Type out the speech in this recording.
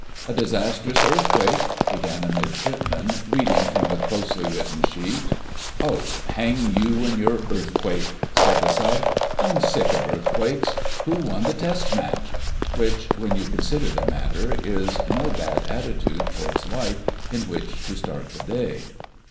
"A disastrous earthquake—" began a Midshipman, reading from the closely written sheet. "Oh, hang you and your earthquake!" said the Sub. "I'm sick of earthquakes—who won the Test Match?" Which, when you consider the matter, is no bad attitude towards life in which to start the day.